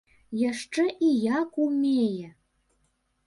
Яшчэ і як умее!